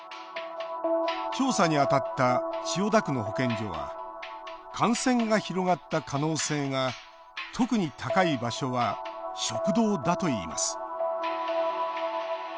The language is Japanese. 調査に当たった千代田区の保健所は感染が広がった可能性が特に高い場所は食堂だといいます。